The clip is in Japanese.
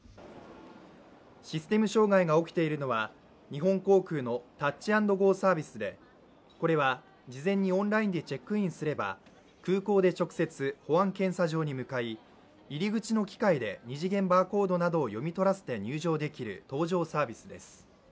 システム障害が起きているのは日本航空のタッチ＆ゴーサービスでこれは事前にオンラインでチェックインすれば、空港で直接保安検査場に向かい、入り口の機械で２次元バーコードなどを読み取らせて入場できる搭乗サービスです。